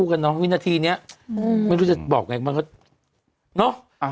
กันเนอะวินาทีเนี้ยอืมไม่รู้จะบอกไงมันก็เนอะ